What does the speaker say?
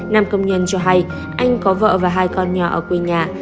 nam công nhân cho hay anh có vợ và hai con nhỏ ở quê nhà